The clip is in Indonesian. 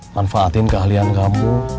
manfaatin keahlian kamu